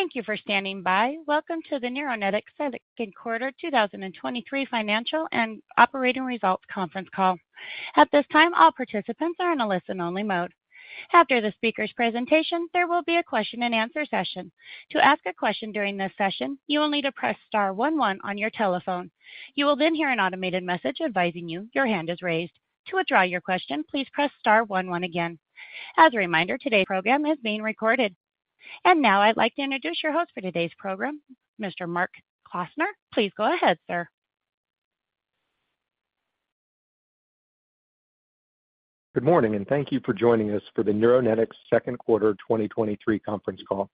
Thank you for standing by. Welcome to the Neuronetics Second Quarter 2023 Financial and Operating Results Conference Call. At this time, all participants are in a listen-only mode. After the speaker's presentation, there will be a question-and-answer session. To ask a question during this session, you will need to press star 1, 1 on your telephone. You will then hear an automated message advising you your hand is raised. To withdraw your question, please press star 1, 1 again. As a reminder, today's program is being recorded. Now I'd like to introduce your host for today's program, Mr. Mark Klausner. Please go ahead, sir. Good morning, and thank you for joining us for the Neuronetics Q2 2023 conference call.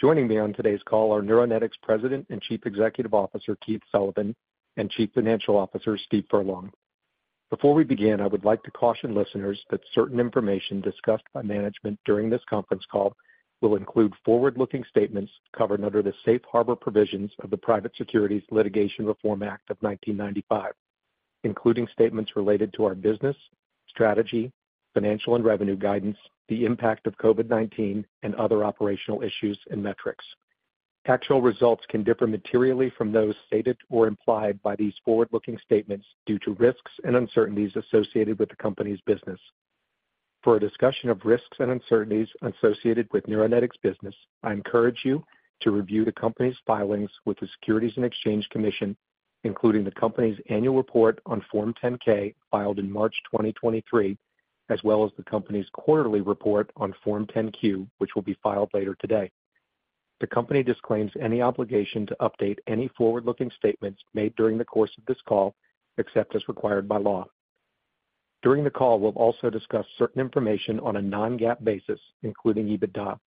Joining me on today's call are Neuronetics President and Chief Executive Officer, Keith Sullivan, and Chief Financial Officer, Steve Furlong. Before we begin, I would like to caution listeners that certain information discussed by management during this conference call will include forward-looking statements covered under the Safe Harbor provisions of the Private Securities Litigation Reform Act of 1995, including statements related to our business, strategy, financial and revenue guidance, the impact of COVID-19, and other operational issues and metrics. Actual results can differ materially from those stated or implied by these forward-looking statements due to risks and uncertainties associated with the company's business. For a discussion of risks and uncertainties associated with Neuronetics business, I encourage you to review the company's filings with the Securities and Exchange Commission, including the company's annual report on Form 10-K, filed in March 2023, as well as the company's quarterly report on Form 10-Q, which will be filed later today. The company disclaims any obligation to update any forward-looking statements made during the course of this call, except as required by law. During the call, we'll also discuss certain information on a non-GAAP basis, including EBITDA.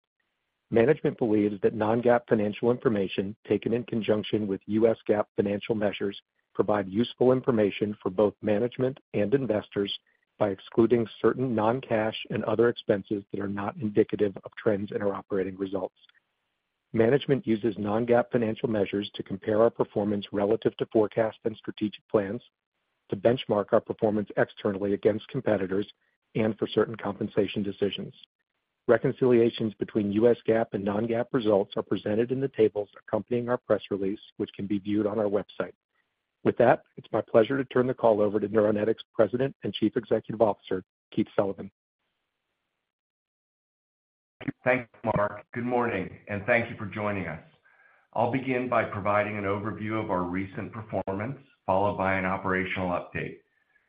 Management believes that non-GAAP financial information, taken in conjunction with U.S. GAAP financial measures, provide useful information for both management and investors by excluding certain non-cash and other expenses that are not indicative of trends in our operating results. Management uses non-GAAP financial measures to compare our performance relative to forecasts and strategic plans, to benchmark our performance externally against competitors, and for certain compensation decisions. Reconciliations between U.S. GAAP and non-GAAP results are presented in the tables accompanying our press release, which can be viewed on our website. It's my pleasure to turn the call over to Neuronetics President and Chief Executive Officer, Keith Sullivan. Thanks, Mark. Good morning. Thank you for joining us. I'll begin by providing an overview of our recent performance, followed by an operational update.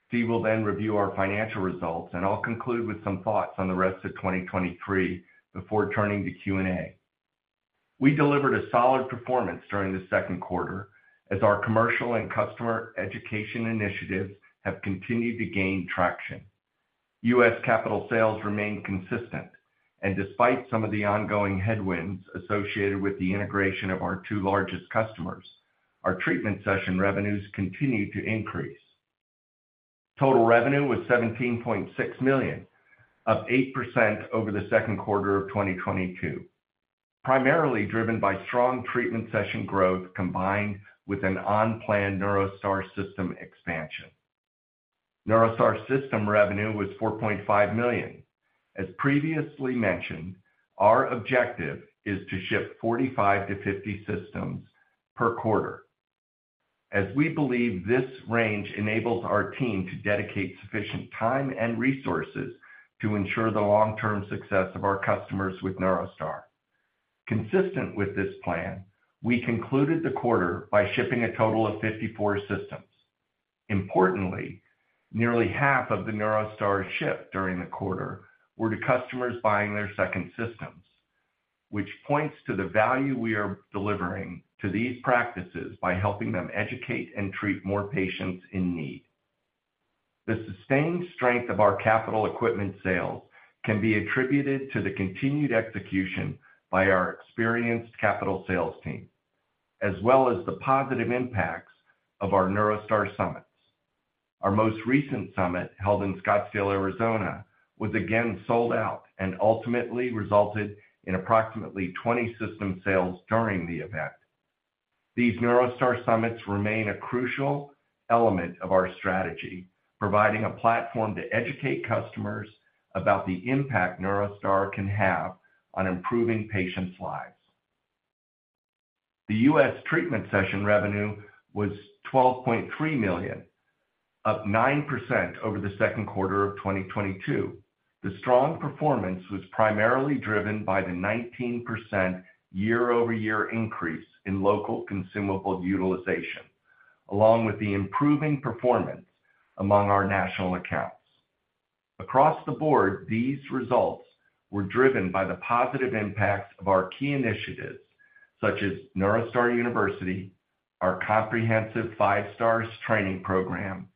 Steve will review our financial results. I'll conclude with some thoughts on the rest of 2023 before turning to Q&A. We delivered a solid performance during the second quarter as our commercial and customer education initiatives have continued to gain traction. U.S. capital sales remain consistent. Despite some of the ongoing headwinds associated with the integration of our two largest customers, our treatment session revenues continued to increase. Total revenue was $17.6 million, up 8% over the second quarter of 2022, primarily driven by strong treatment session growth, combined with an on-plan NeuroStar system expansion. NeuroStar system revenue was $4.5 million. As previously mentioned, our objective is to ship 45-50 systems per quarter, as we believe this range enables our team to dedicate sufficient time and resources to ensure the long-term success of our customers with NeuroStar. Consistent with this plan, we concluded the quarter by shipping a total of 54 systems. Importantly, nearly half of the NeuroStar shipped during the quarter were to customers buying their second systems, which points to the value we are delivering to these practices by helping them educate and treat more patients in need. The sustained strength of our capital equipment sales can be attributed to the continued execution by our experienced capital sales team, as well as the positive impacts of our NeuroStar Summits. Our most recent summit, held in Scottsdale, Arizona, was again sold out and ultimately resulted in approximately 20 system sales during the event. These NeuroStar Summits remain a crucial element of our strategy, providing a platform to educate customers about the impact NeuroStar can have on improving patients' lives. The U.S. treatment session revenue was $12.3 million, up 9% over the second quarter of 2022. The strong performance was primarily driven by the 19% year-over-year increase in local consumable utilization, along with the improving performance among our national accounts. Across the board, these results were driven by the positive impacts of our key initiatives, such as NeuroStar University, our comprehensive 5-STARS training program,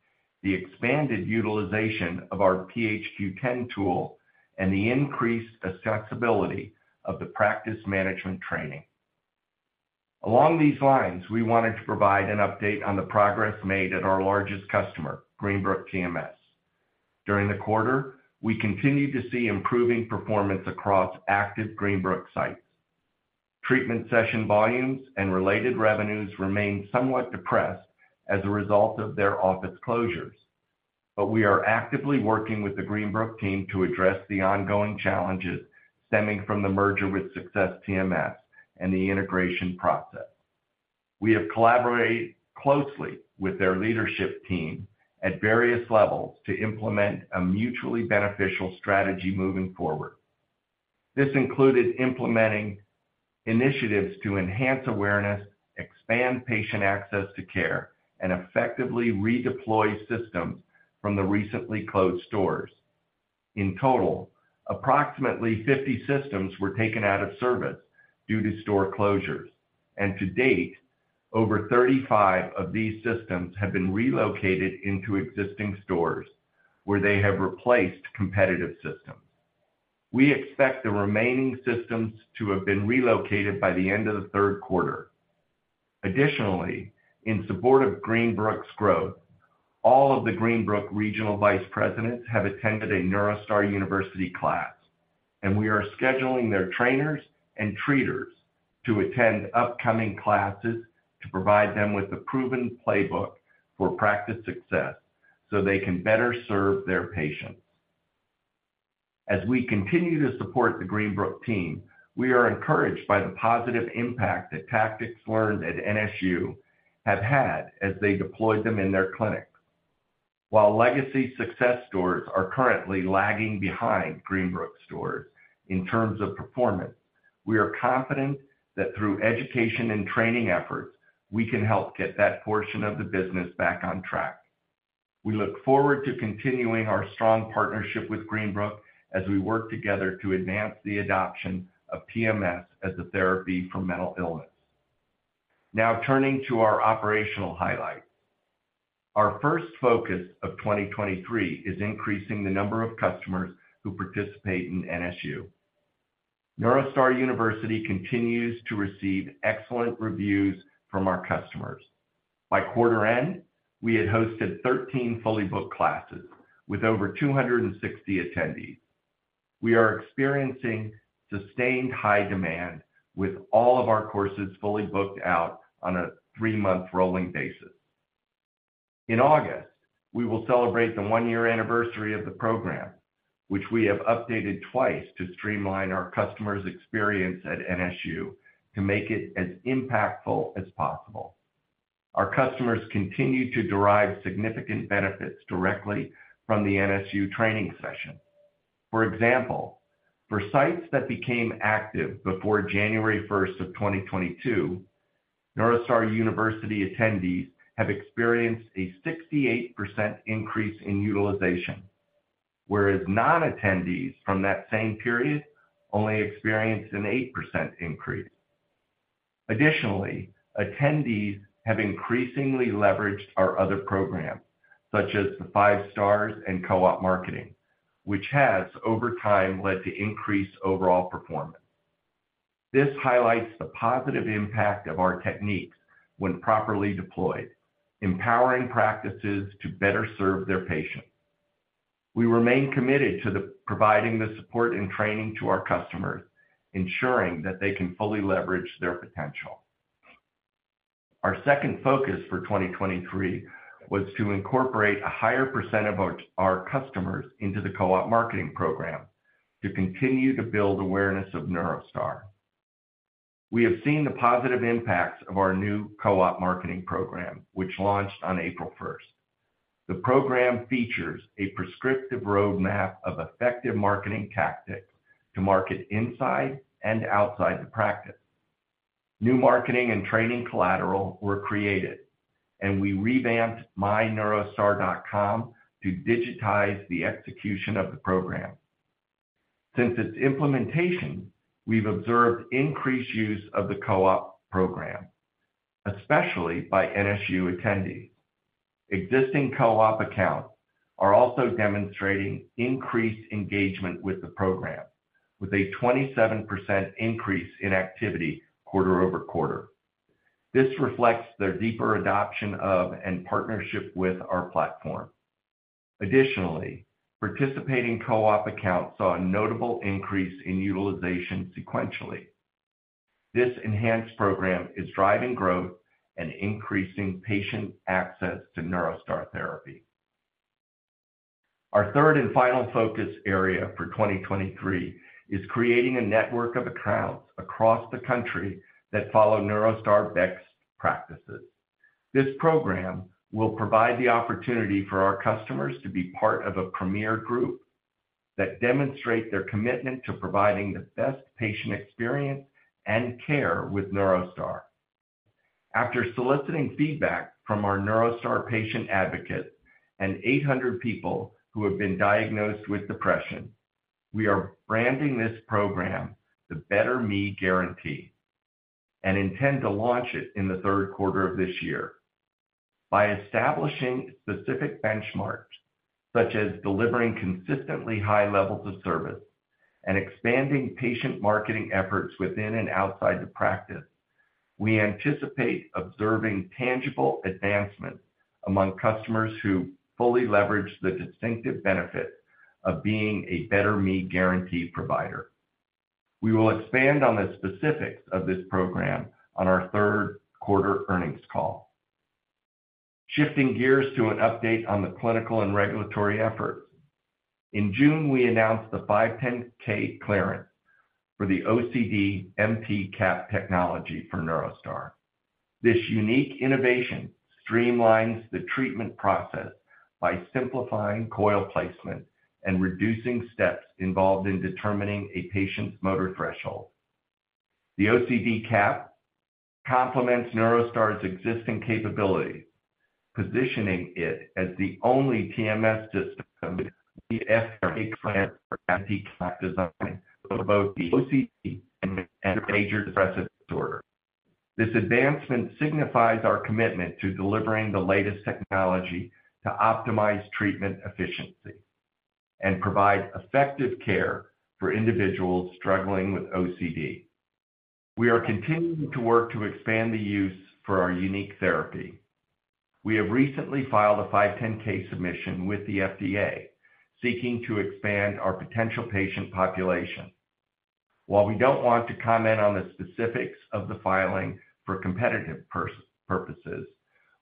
the expanded utilization of our PHQ-9 tool, and the increased accessibility of the practice management training. Along these lines, we wanted to provide an update on the progress made at our largest customer, Greenbrook TMS. During the quarter, we continued to see improving performance across active Greenbrook sites. Treatment session volumes and related revenues remained somewhat depressed as a result of their office closures. We are actively working with the Greenbrook team to address the ongoing challenges stemming from the merger with Success TMS and the integration process. We have collaborated closely with their leadership team at various levels to implement a mutually beneficial strategy moving forward. This included implementing initiatives to enhance awareness, expand patient access to care, and effectively redeploy systems from the recently closed stores. In total, approximately 50 systems were taken out of service due to store closures, and to date, over 35 of these systems have been relocated into existing stores, where they have replaced competitive systems. We expect the remaining systems to have been relocated by the end of the third quarter. Additionally, in support of Greenbrook's growth, all of the Greenbrook regional vice presidents have attended a NeuroStar University class, and we are scheduling their trainers and treaters to attend upcoming classes to provide them with a proven playbook for practice success, so they can better serve their patients. As we continue to support the Greenbrook team, we are encouraged by the positive impact that tactics learned at NSU have had as they deployed them in their clinics. While legacy Success stores are currently lagging behind Greenbrook stores in terms of performance, we are confident that through education and training efforts, we can help get that portion of the business back on track. We look forward to continuing our strong partnership with Greenbrook as we work together to advance the adoption of TMS as a therapy for mental illness. Now, turning to our operational highlights. Our first focus of 2023 is increasing the number of customers who participate in NSU. NeuroStar University continues to receive excellent reviews from our customers. By quarter end, we had hosted 13 fully booked classes with over 260 attendees. We are experiencing sustained high demand with all of our courses fully booked out on a 3-month rolling basis. In August, we will celebrate the 1-year anniversary of the program, which we have updated twice to streamline our customers' experience at NSU to make it as impactful as possible. Our customers continue to derive significant benefits directly from the NSU training session. For example, for sites that became active before January 1st of 2022, NeuroStar University attendees have experienced a 68% increase in utilization, whereas non-attendees from that same period only experienced an 8% increase. Additionally, attendees have increasingly leveraged our other programs, such as the 5-STARS and Co-op Marketing, which has, over time, led to increased overall performance. This highlights the positive impact of our techniques when properly deployed, empowering practices to better serve their patients. We remain committed to providing the support and training to our customers, ensuring that they can fully leverage their potential. Our second focus for 2023 was to incorporate a higher % of our customers into the Co-op Marketing Program to continue to build awareness of NeuroStar. We have seen the positive impacts of our new Co-op Marketing Program, which launched on April 1st. The program features a prescriptive roadmap of effective marketing tactics to market inside and outside the practice. New marketing and training collateral were created, and we revamped myneurostar.com to digitize the execution of the program. Since its implementation, we've observed increased use of the co-op program, especially by NSU attendees. Existing co-op accounts are also demonstrating increased engagement with the program, with a 27% increase in activity quarter-over-quarter. This reflects their deeper adoption of and partnership with our platform. Additionally, participating co-op accounts saw a notable increase in utilization sequentially. This enhanced program is driving growth and increasing patient access to NeuroStar therapy. Our third and final focus area for 2023 is creating a network of accounts across the country that follow NeuroStar best practices. This program will provide the opportunity for our customers to be part of a premier group that demonstrate their commitment to providing the best patient experience and care with NeuroStar. After soliciting feedback from our NeuroStar patient advocates and 800 people who have been diagnosed with depression, we are branding this program the Better Me Guarantee and intend to launch it in the third quarter of this year. By establishing specific benchmarks, such as delivering consistently high levels of service and expanding patient marketing efforts within and outside the practice, we anticipate observing tangible advancements among customers who fully leverage the distinctive benefit of being a Better Me Guarantee provider. We will expand on the specifics of this program on our third quarter earnings call. Shifting gears to an update on the clinical and regulatory efforts. In June, we announced the 510(k) clearance for the OCD MT Cap technology for NeuroStar. This unique innovation streamlines the treatment process by simplifying coil placement and reducing steps involved in determining a patient's motor threshold. The OCD cap complements NeuroStar's existing capability, positioning it as the only TMS system for anti design for both the OCD and major depressive disorder. This advancement signifies our commitment to delivering the latest technology to optimize treatment efficiency and provide effective care for individuals struggling with OCD. We are continuing to work to expand the use for our unique therapy. We have recently filed a 510(k) submission with the FDA, seeking to expand our potential patient population. While we don't want to comment on the specifics of the filing for competitive purposes,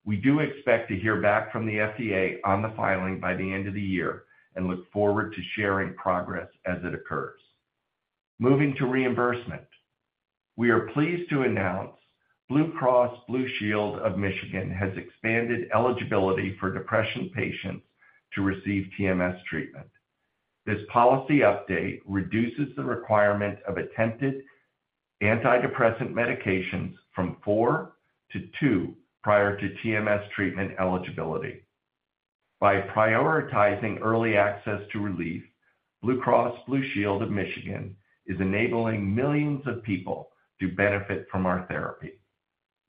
we do expect to hear back from the FDA on the filing by the end of the year and look forward to sharing progress as it occurs. Moving to reimbursement. We are pleased to announce Blue Cross Blue Shield of Michigan has expanded eligibility for depression patients to receive TMS treatment. This policy update reduces the requirement of attempted antidepressant medications from 4 to 2 prior to TMS treatment eligibility. By prioritizing early access to relief, Blue Cross Blue Shield of Michigan is enabling millions of people to benefit from our therapy.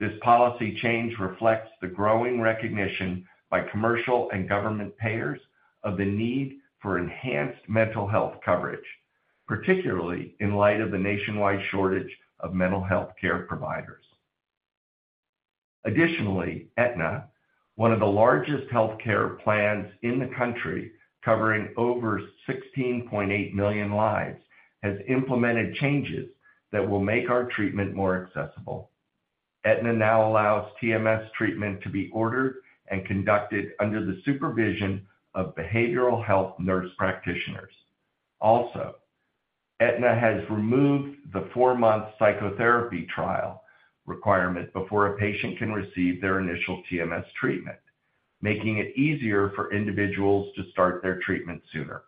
This policy change reflects the growing recognition by commercial and government payers of the need for enhanced mental health coverage, particularly in light of the nationwide shortage of mental health care providers. Additionally, Aetna, one of the largest healthcare plans in the country, covering over 16.8 million lives, has implemented changes that will make our treatment more accessible. Aetna now allows TMS treatment to be ordered and conducted under the supervision of behavioral health nurse practitioners. Also, Aetna has removed the 4-month psychotherapy trial requirement before a patient can receive their initial TMS treatment, making it easier for individuals to start their treatment sooner.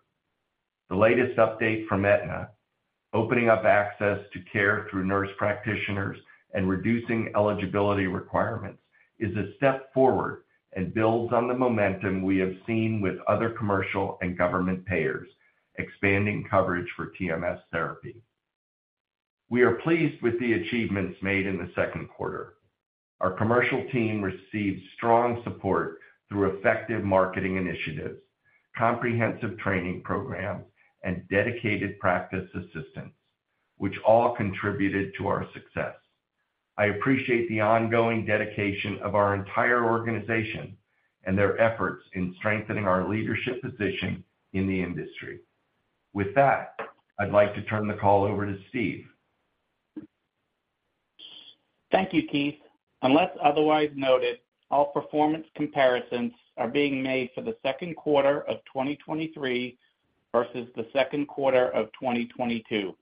The latest update from Aetna, opening up access to care through nurse practitioners and reducing eligibility requirements, is a step forward and builds on the momentum we have seen with other commercial and government payers expanding coverage for TMS therapy. We are pleased with the achievements made in the second quarter. Our commercial team received strong support through effective marketing initiatives, comprehensive training programs, and dedicated practice assistance, which all contributed to our success. I appreciate the ongoing dedication of our entire organization and their efforts in strengthening our leadership position in the industry. With that, I'd like to turn the call over to Steve. Thank you, Keith. Unless otherwise noted, all performance comparisons are being made for the second quarter of 2023 versus the second quarter of 2022.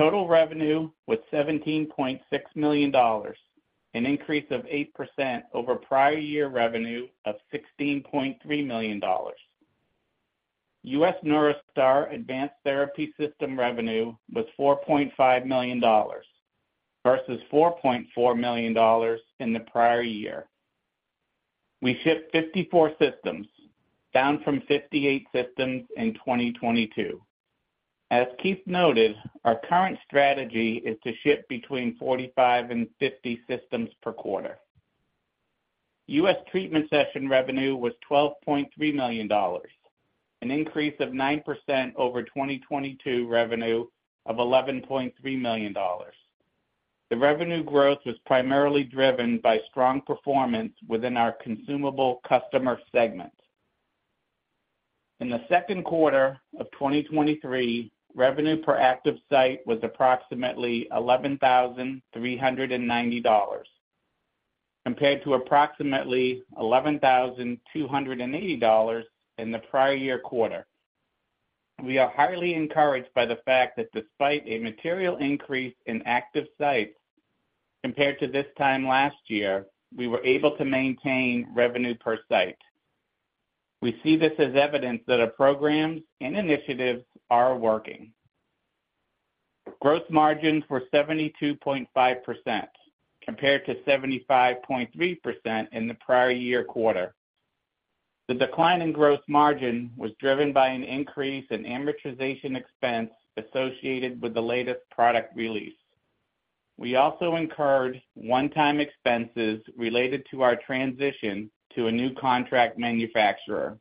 Total revenue was $17.6 million, an increase of 8% over prior year revenue of $16.3 million. U.S. NeuroStar Advanced Therapy System revenue was $4.5 million, versus $4.4 million in the prior year. We shipped 54 systems, down from 58 systems in 2022. As Keith noted, our current strategy is to ship between 45-50 systems per quarter. U.S. treatment session revenue was $12.3 million, an increase of 9% over 2022 revenue of $11.3 million. The revenue growth was primarily driven by strong performance within our consumable customer segment. In the second quarter of 2023, revenue per active site was approximately $11,390, compared to approximately $11,280 in the prior year quarter. We are highly encouraged by the fact that despite a material increase in active sites compared to this time last year, we were able to maintain revenue per site. We see this as evidence that our programs and initiatives are working. Gross margins were 72.5%, compared to 75.3% in the prior year quarter. The decline in gross margin was driven by an increase in amortization expense associated with the latest product release. We also incurred one-time expenses related to our transition to a new contract manufacturer.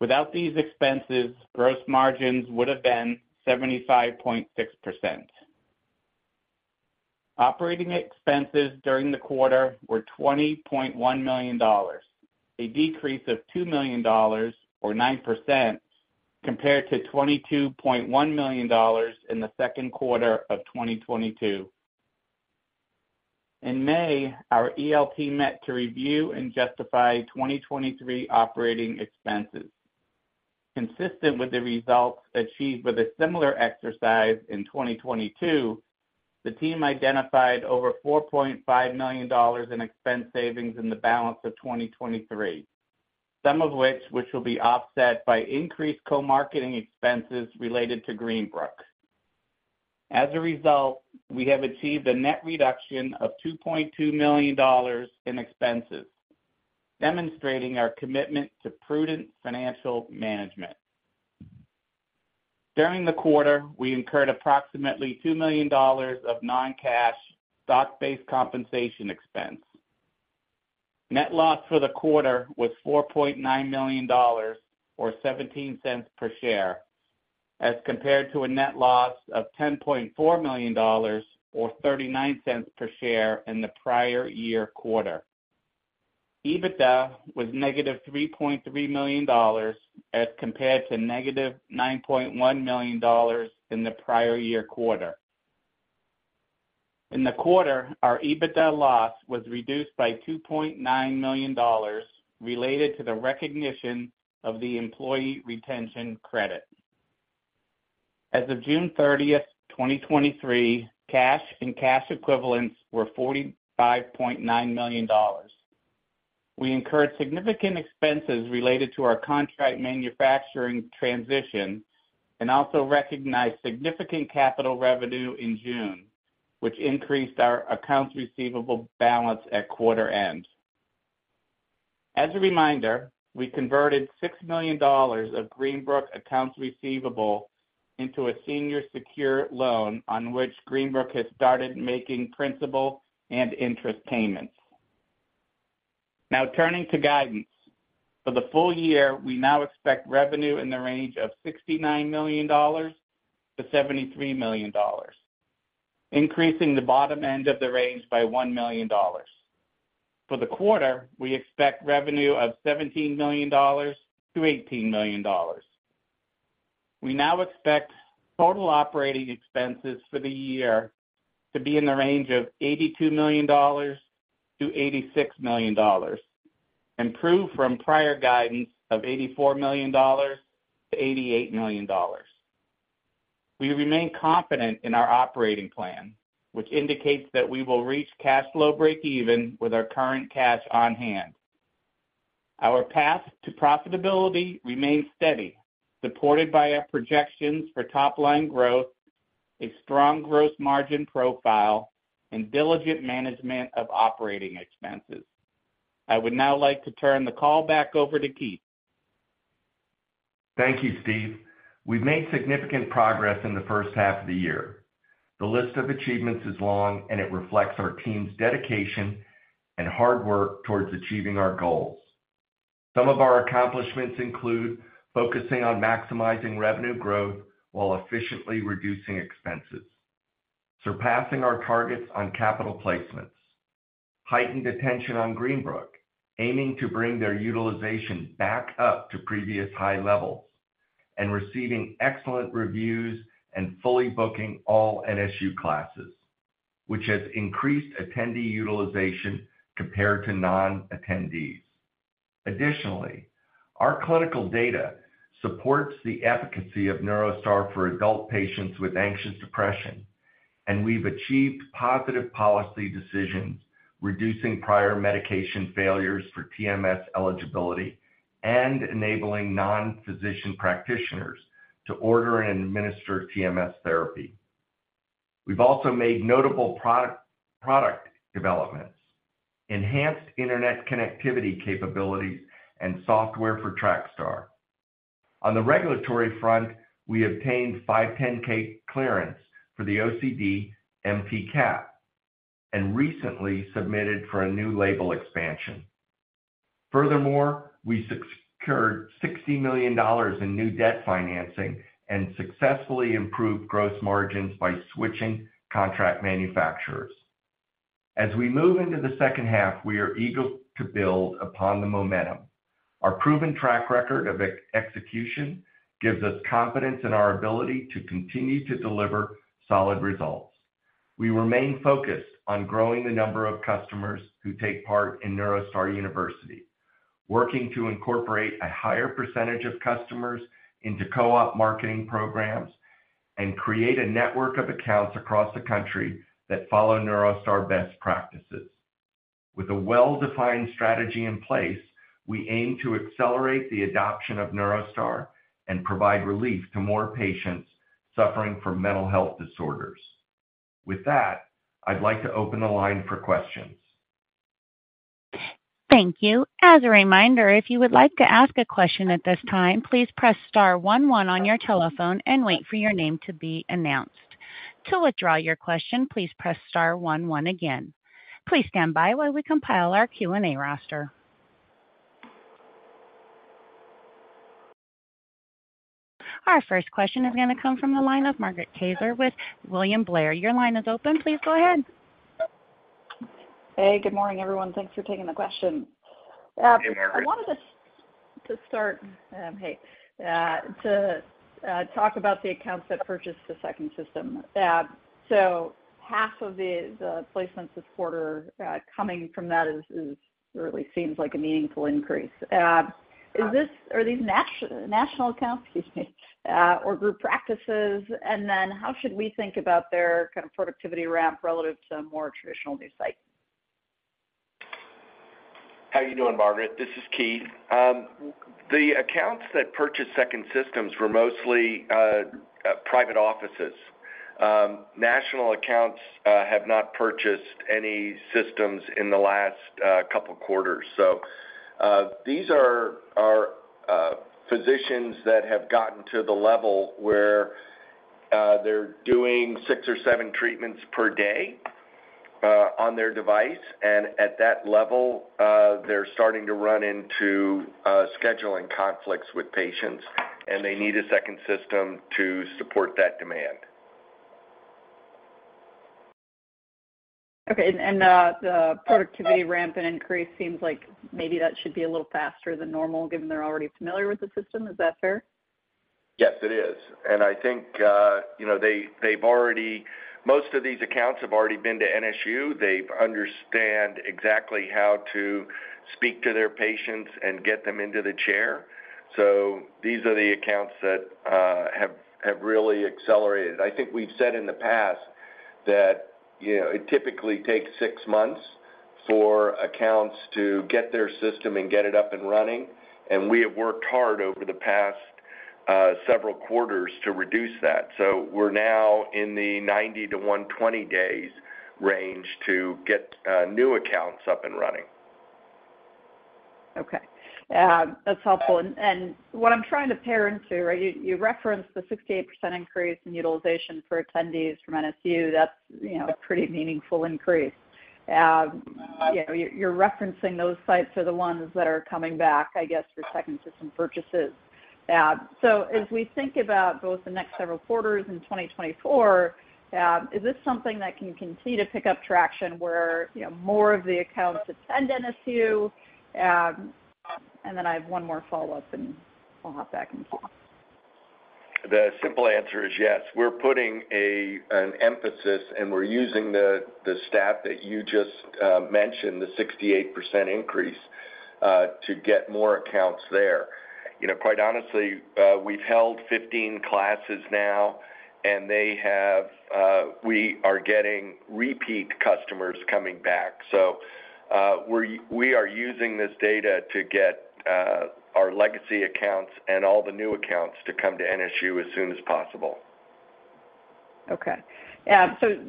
Without these expenses, gross margins would have been 75.6%. Operating expenses during the quarter were $20.1 million, a decrease of $2 million, or 9%, compared to $22.1 million in Q2 2022. In May, our ELT met to review and justify 2023 operating expenses. Consistent with the results achieved with a similar exercise in 2022, the team identified over $4.5 million in expense savings in the balance of 2023, some of which will be offset by increased Co-op Marketing expenses related to Greenbrook. As a result, we have achieved a net reduction of $2.2 million in expenses, demonstrating our commitment to prudent financial management. During the quarter, we incurred approximately $2 million of non-cash stock-based compensation expense. Net loss for the quarter was $4.9 million, or $0.17 per share, as compared to a net loss of $10.4 million, or $0.39 per share, in the prior year quarter. EBITDA was negative $3.3 million, as compared to negative $9.1 million in the prior year quarter. In the quarter, our EBITDA loss was reduced by $2.9 million related to the recognition of the Employee Retention Credit. As of June 30th, 2023, cash and cash equivalents were $45.9 million. We incurred significant expenses related to our contract manufacturing transition and also recognized significant capital revenue in June, which increased our accounts receivable balance at quarter end. As a reminder, we converted $6 million of Greenbrook accounts receivable into a senior secured loan on which Greenbrook has started making principal and interest payments. Turning to guidance. For the full year, we now expect revenue in the range of $69 million-$73 million, increasing the bottom end of the range by $1 million. For the quarter, we expect revenue of $17 million-$18 million. We now expect total operating expenses for the year to be in the range of $82 million-$86 million, improved from prior guidance of $84 million-$88 million. We remain confident in our operating plan, which indicates that we will reach cash flow breakeven with our current cash on hand. Our path to profitability remains steady, supported by our projections for top-line growth, a strong growth margin profile, and diligent management of operating expenses. I would now like to turn the call back over to Keith. Thank you, Steve. We've made significant progress in the first half of the year. The list of achievements is long, and it reflects our team's dedication and hard work towards achieving our goals. Some of our accomplishments include focusing on maximizing revenue growth while efficiently reducing expenses, surpassing our targets on capital placements, heightened attention on Greenbrook TMS, aiming to bring their utilization back up to previous high levels, and receiving excellent reviews and fully booking all NSU classes, which has increased attendee utilization compared to non-attendees. Additionally, our clinical data supports the efficacy of NeuroStar for adult patients with anxious depression, and we've achieved positive policy decisions, reducing prior medication failures for TMS eligibility and enabling non-physician practitioners to order and administer TMS therapy. We've also made notable product developments, enhanced internet connectivity capabilities, and software for TrakStar. On the regulatory front, we obtained 510(k) clearance for the OCD MT Cap and recently submitted for a new label expansion. Furthermore, we secured $60 million in new debt financing and successfully improved gross margins by switching contract manufacturers. As we move into the second half, we are eager to build upon the momentum. Our proven track record of ex-execution gives us confidence in our ability to continue to deliver solid results. We remain focused on growing the number of customers who take part in NeuroStar University, working to incorporate a higher percentage of customers into co-op marketing programs and create a network of accounts across the country that follow NeuroStar best practices. With a well-defined strategy in place, we aim to accelerate the adoption of NeuroStar and provide relief to more patients suffering from mental health disorders. With that, I'd like to open the line for questions. Thank you. As a reminder, if you would like to ask a question at this time, please press star one one on your telephone and wait for your name to be announced. To withdraw your question, please press star one one again. Please stand by while we compile our Q&A roster... Our first question is going to come from the line of Margaret Kaczor with William Blair. Your line is open. Please go ahead. Hey, good morning, everyone. Thanks for taking the question. Hey, Margaret. I wanted to, to start, to talk about the accounts that purchased the second system. Half of the placements this quarter, coming from that is really seems like a meaningful increase. Is this, are these national accounts, excuse me, or group practices? How should we think about their kind of productivity ramp relative to a more traditional new site? How are you doing, Margaret? This is Keith. The accounts that purchased second systems were mostly private offices. National accounts have not purchased any systems in the last couple of quarters. These are physicians that have gotten to the level where they're doing six or seven treatments per day on their device, and at that level, they're starting to run into scheduling conflicts with patients, and they need a second system to support that demand. Okay. And, the productivity ramp and increase seems like maybe that should be a little faster than normal, given they're already familiar with the system. Is that fair? Yes, it is. I think, you know, most of these accounts have already been to NSU. They understand exactly how to speak to their patients and get them into the chair. These are the accounts that really accelerated. I think we've said in the past that, you know, it typically takes 6 months for accounts to get their system and get it up and running, and we have worked hard over the past several quarters to reduce that. We're now in the 90-120 days range to get new accounts up and running. Okay. That's helpful. What I'm trying to pair into, you, you referenced the 68% increase in utilization for attendees from NSU. That's, you know, a pretty meaningful increase. You know, you're referencing those sites are the ones that are coming back, I guess, for second system purchases. As we think about both the next several quarters and 2024, is this something that can continue to pick up traction where, you know, more of the accounts attend NSU? Then I have one more follow-up, and I'll hop back in the call. The simple answer is yes. We're putting an emphasis, and we're using the, the stat that you just mentioned, the 68% increase, to get more accounts there. You know, quite honestly, we've held 15 classes now, and they have, we are getting repeat customers coming back. We're, we are using this data to get, our legacy accounts and all the new accounts to come to NSU as soon as possible. Okay.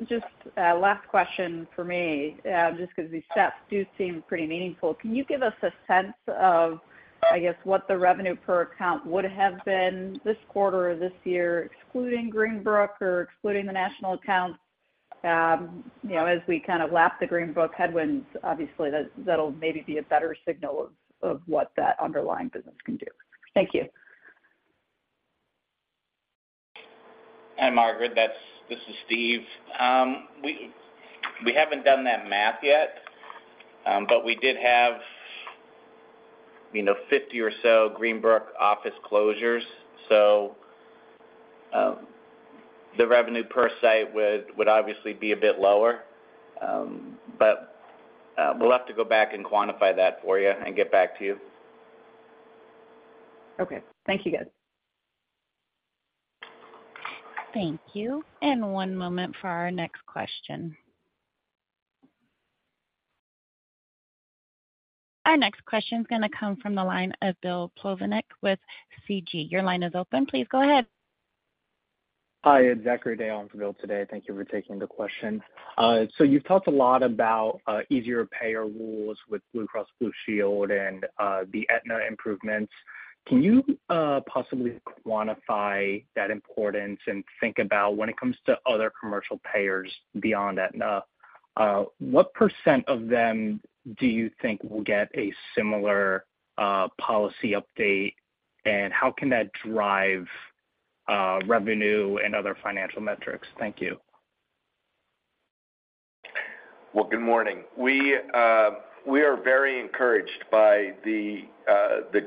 Just a last question for me, just because these stats do seem pretty meaningful. Can you give us a sense of, I guess, what the revenue per account would have been this quarter or this year, excluding Greenbrook or excluding the national accounts? You know, as we kind of lap the Greenbrook headwinds, obviously, that'll maybe be a better signal of, of what that underlying business can do. Thank you. Hi, Margaret. This is Steve. We, we haven't done that math yet, but we did have, you know, 50 or so Greenbrook office closures, the revenue per site would, would obviously be a bit lower. We'll have to go back and quantify that for you and get back to you. Okay. Thank you, guys. Thank you. 1 moment for our next question. Our next question is going to come from the line of Bill Plovanic with CG. Your line is open. Please go ahead. Hi, it's Zachary Day on for Bill today. Thank you for taking the question. You've talked a lot about easier payer rules with Blue Cross Blue Shield and the Aetna improvements. Can you possibly quantify that importance and think about when it comes to other commercial payers beyond Aetna, what % of them do you think will get a similar policy update, and how can that drive revenue and other financial metrics? Thank you. Well, good morning. We are very encouraged by the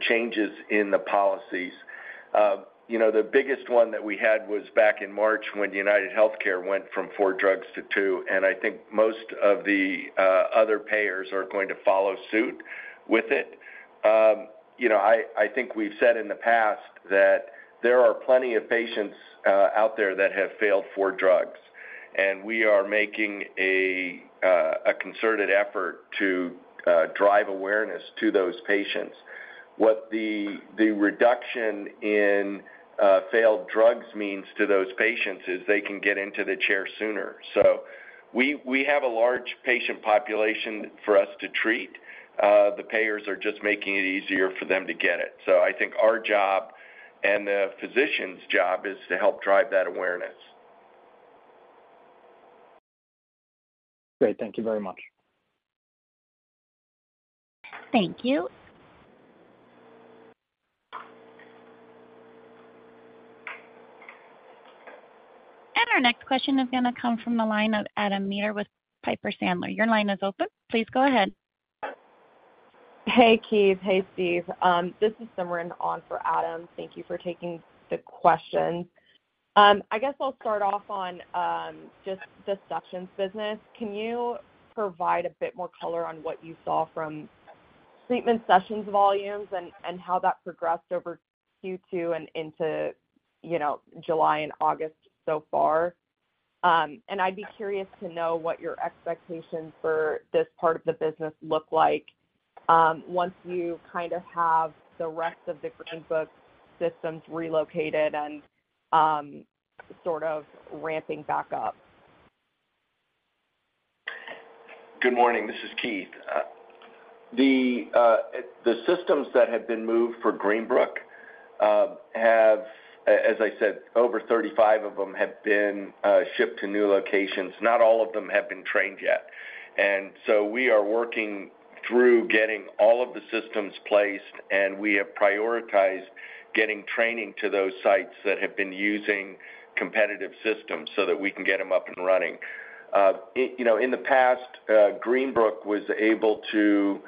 changes in the policies. You know, the biggest one that we had was back in March when UnitedHealthcare went from 4 drugs to 2, and I think most of the other payers are going to follow suit with it. You know, I think we've said in the past that there are plenty of patients out there that have failed 4 drugs, and we are making a concerted effort to drive awareness to those patients. What the reduction in failed drugs means to those patients is they can get into the chair sooner. We have a large patient population for us to treat. The payers are just making it easier for them to get it. I think our job and the physician's job is to help drive that awareness. Great. Thank you very much. Thank you. Our next question is going to come from the line of Adam Maeder with Piper Sandler. Your line is open. Please go ahead. Hey, Keith. Hey, Steve. This is Simran on for Adam. Thank you for taking the question. I guess I'll start off on just the sessions business. Can you provide a bit more color on what you saw from treatment sessions volumes and how that progressed over Q2 and into, you know, July and August so far? I'd be curious to know what your expectations for this part of the business look like once you kind of have the rest of the Greenbrook systems relocated and sort of ramping back up. Good morning, this is Keith. The systems that have been moved for Greenbrook have, as I said, over 35 of them have been shipped to new locations. Not all of them have been trained yet. So we are working through getting all of the systems placed, and we have prioritized getting training to those sites that have been using competitive systems so that we can get them up and running. You know, in the past, Greenbrook was able to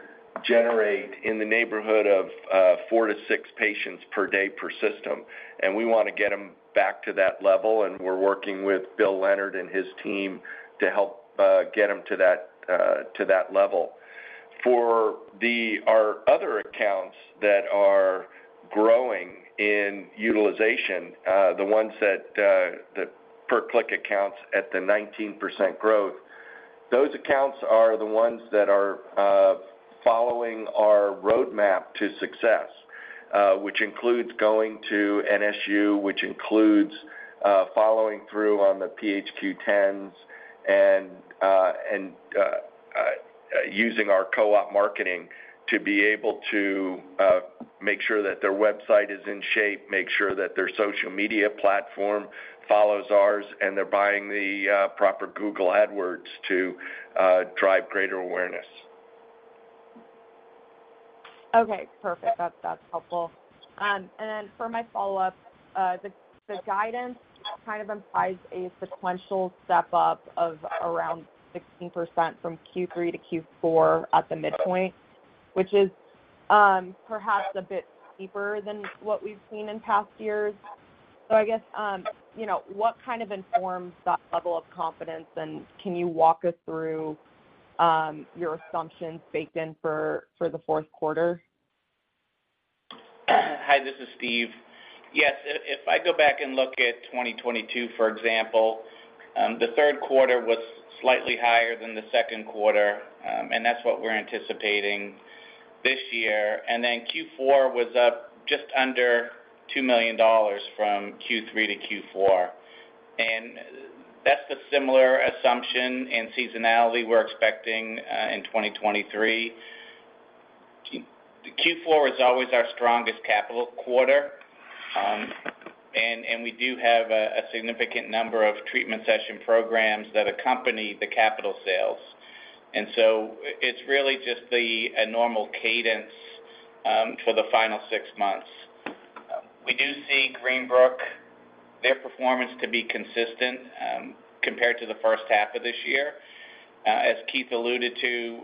generate in the neighborhood of 4 to 6 patients per day per system, and we want to get them back to that level, and we're working with Bill Leonard and his team to help get them to that to that level. For our other accounts that are growing in utilization, the ones that, the per-click accounts at the 19% growth, those accounts are the ones that are following our roadmap to success, which includes going to NSU, which includes following through on the PHQ-tens and using our co-op marketing to be able to make sure that their website is in shape, make sure that their social media platform follows ours, and they're buying the proper Google Ads to drive greater awareness. Okay, perfect. That's, that's helpful. For my follow-up, the guidance kind of implies a sequential step up of around 16% from Q3 to Q4 at the midpoint, which is perhaps a bit steeper than what we've seen in past years. I guess, you know, what kind of informs that level of confidence, and can you walk us through your assumptions baked in for the fourth quarter? Hi, this is Steve Furlong. Yes, if, if I go back and look at 2022, for example, the third quarter was slightly higher than the second quarter, and that's what we're anticipating this year. Then Q4 was up just under $2 million from Q3 to Q4. That's the similar assumption and seasonality we're expecting in 2023. Q4 is always our strongest capital quarter, and we do have a significant number of treatment session programs that accompany the capital sales. It's really just the, a normal cadence for the final six months. We do see Greenbrook TMS, their performance to be consistent compared to the first half of this year. As Keith Sullivan alluded to,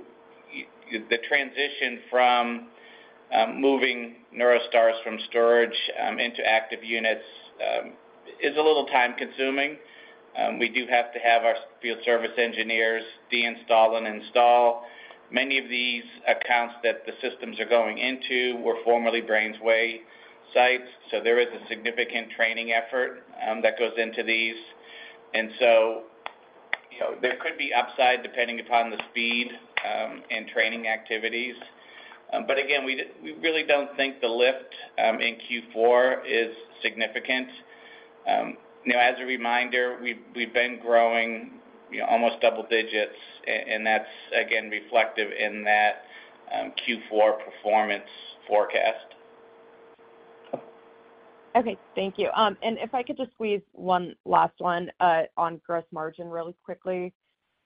the transition from moving NeuroStars from storage into active units is a little time-consuming. We do have to have our field service engineers deinstall and install. Many of these accounts that the systems are going into were formerly BrainsWay sites, so there is a significant training effort that goes into these. So, you know, there could be upside depending upon the speed and training activities. Again, we really don't think the lift in Q4 is significant. Now, as a reminder, we've, we've been growing, you know, almost double digits, and that's again, reflective in that Q4 performance forecast. Okay, thank you. If I could just squeeze 1 last 1 on gross margin really quickly.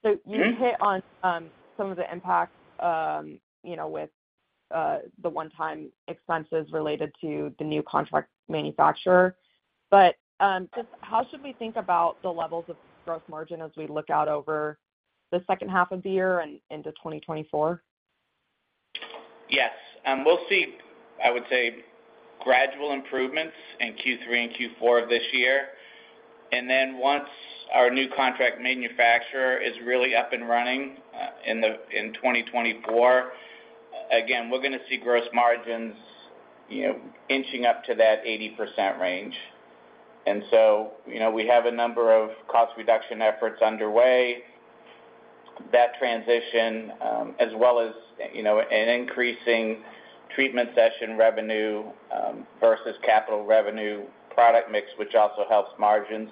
You hit on some of the impacts, you know, with the 1-time expenses related to the new contract manufacturer. Just how should we think about the levels of gross margin as we look out over the second half of the year and into 2024? Yes, we'll see, I would say, gradual improvements in Q3 and Q4 of this year. Once our new contract manufacturer is really up and running in 2024, again, we're going to see gross margins, you know, inching up to that 80% range. You know, we have a number of cost reduction efforts underway. That transition, as well as, you know, an increasing treatment session revenue versus capital revenue product mix, which also helps margin.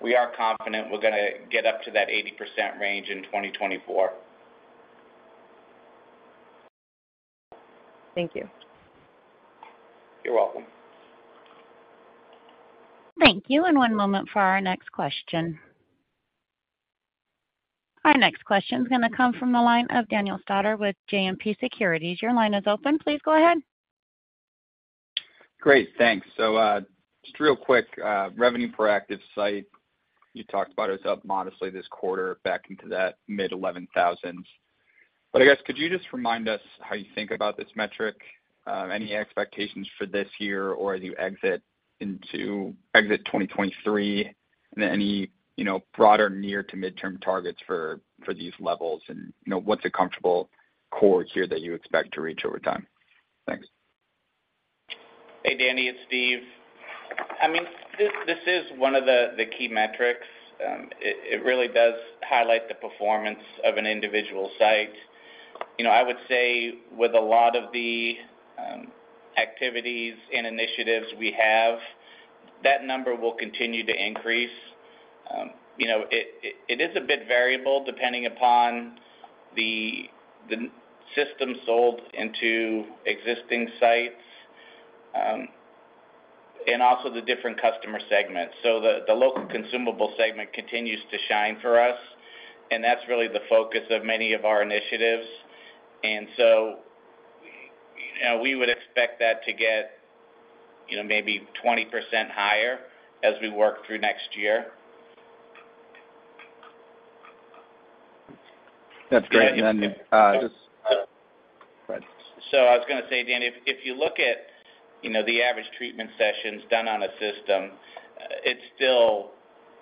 We are confident we're gonna get up to that 80% range in 2024. Thank you. You're welcome. Thank you. One moment for our next question. Our next question is gonna come from the line of Daniel Stouder with JMP Securities. Your line is open. Please go ahead. Great, thanks. Just real quick, revenue per active site, you talked about it was up modestly this quarter back into that mid-$11,000. I guess, could you just remind us how you think about this metric? Any expectations for this year or as you exit into 2023, and any, you know, broader near to midterm targets for these levels? You know, what's a comfortable core here that you expect to reach over time? Thanks. Hey, Danny, it's Steve. I mean, this, this is one of the, the key metrics. It, it really does highlight the performance of an individual site. You know, I would say with a lot of the activities and initiatives we have, that number will continue to increase. You know, it, it is a bit variable, depending upon the system sold into existing sites, and also the different customer segments. The local consumable segment continues to shine for us, and that's really the focus of many of our initiatives. So, you know, we would expect that to get, you know, maybe 20% higher as we work through next year. That's great. I was gonna say, Dan, if, if you look at, you know, the average treatment sessions done on a system, it's still,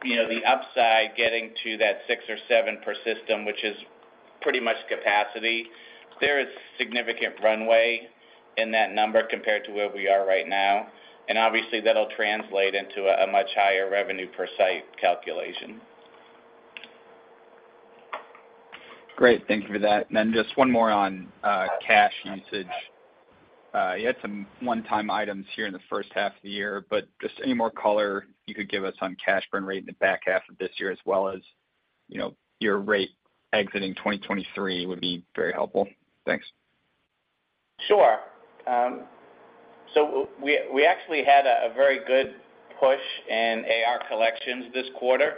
you know, the upside getting to that 6 or 7 per system, which is pretty much capacity. There is significant runway in that number compared to where we are right now, and obviously that'll translate into a, a much higher revenue per site calculation. Great, thank you for that. Then just one more on cash usage. You had some one-time items here in the first half of the year, but just any more color you could give us on cash burn rate in the back half of this year, as well as, you know, your rate exiting 2023 would be very helpful. Thanks. Sure. so we, we actually had a, a very good push in AR collections this quarter,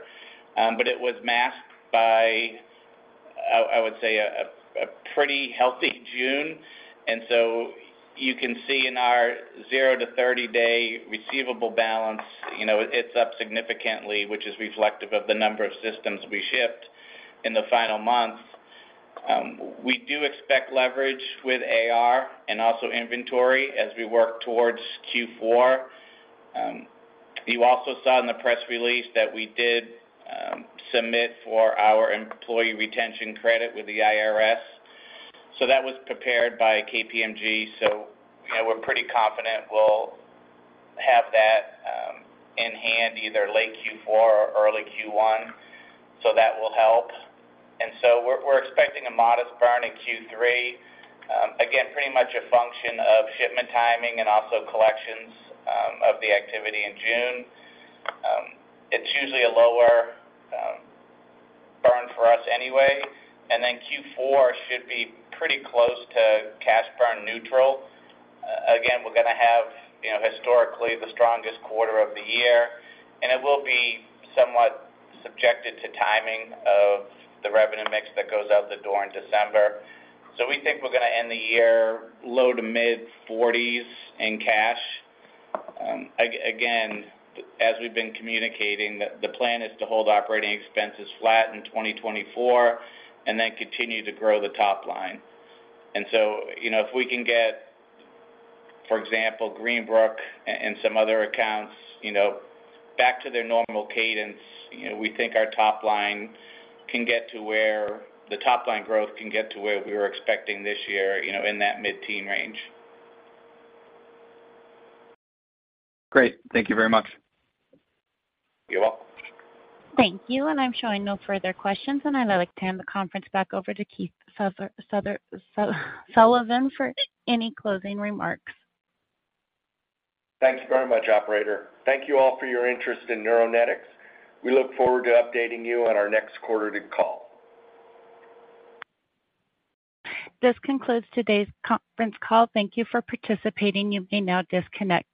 but it was masked by, I, I would say, a, a, a pretty healthy June. You can see in our 0-30-day receivable balance, you know, it's up significantly, which is reflective of the number of systems we shipped in the final month. We do expect leverage with AR and also inventory as we work towards Q4. You also saw in the press release that we did, submit for our Employee Retention Credit with the IRS. That was prepared by KPMG, so, you know, we're pretty confident we'll have that, in hand either late Q4 or early Q1, that will help. We're, we're expecting a modest burn in Q3. Again, pretty much a function of shipment timing and also collections of the activity in June. It's usually a lower burn for us anyway. Q4 should be pretty close to cash burn neutral. Again, we're gonna have, you know, historically the strongest quarter of the year, and it will be somewhat subjected to timing of the revenue mix that goes out the door in December. We think we're gonna end the year low to mid-$40s in cash. Again, as we've been communicating, the plan is to hold operating expenses flat in 2024 and continue to grow the top line. So, you know, if we can get, for example, Greenbrook and some other accounts, you know, back to their normal cadence, you know, we think our top line can get to the top line growth can get to where we were expecting this year, you know, in that mid-teen range. Great. Thank you very much. You're welcome. Thank you. I'm showing no further questions, and I'd like to turn the conference back over to Keith Sullivan for any closing remarks. Thanks very much, operator. Thank you all for your interest in Neuronetics. We look forward to updating you on our next quarterly call. This concludes today's conference call. Thank you for participating. You may now disconnect.